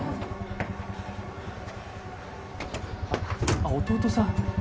あっ弟さん。